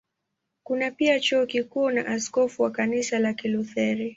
Kuna pia Chuo Kikuu na askofu wa Kanisa la Kilutheri.